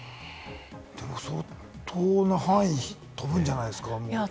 相当な範囲、飛ぶんじゃないですか？